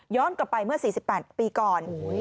กลับไปเมื่อ๔๘ปีก่อน